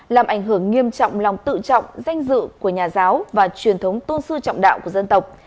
làm ảnh hưởng nghiêm trọng lòng tự trọng danh dự của nhà giáo và truyền thống tôn sư trọng đạo của dân tộc